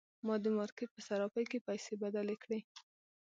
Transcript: ما د مارکیټ په صرافۍ کې پیسې بدلې کړې.